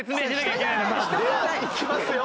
いきますよ。